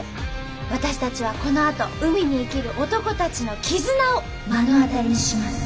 私たちはこのあと海に生きる男たちの絆を目の当たりにします。